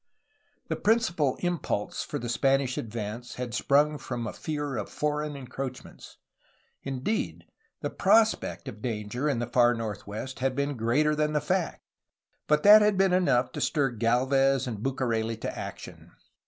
The principal impulse for the Spanish advance had sprung from a fear of foreign encroachments; indeed, the prospect of danger in the far northwest had been greater than the factj but that had been enough to stir Gdlvez and Bucareli to action.